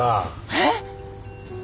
えっ？